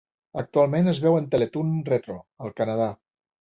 Actualment es veu en Teletoon Retro al Canadà.